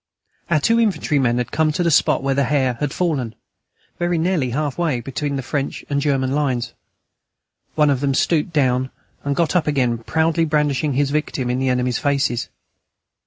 Our two infantrymen had come to the spot where the hare had fallen, very nearly half way between the French and the German lines. One of them stooped down and got up again proudly brandishing his victim in the enemy's faces.